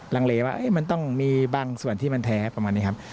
ลังเลว่ามันต้องมีบางส่วนที่มันแท้ประมาณนี้ครับ